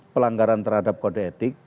pelanggaran terhadap kode etik